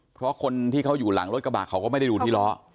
เพราะคนที่เขาอยู่หลังรถกระบะเขาก็ไม่ได้ดูที่ล้อ